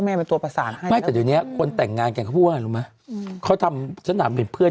และดาราค่อมรถคนนึงเหมือนกันเลย